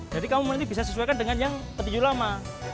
jadi kamu nanti bisa sesuaikan dengan yang petinju lama